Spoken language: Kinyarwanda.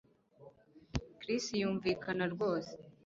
Chris yumvikana rwose